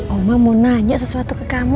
oma mau nanya sesuatu ke kamu